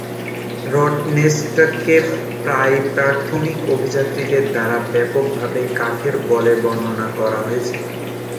রটনেস্টকে প্রায়ই প্রাথমিক অভিযাত্রীদের দ্বারা ব্যাপকভাবে কাঠের বলে বর্ণনা করা হয়েছে।